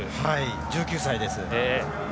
１９歳です。